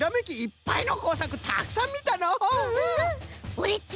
オレっち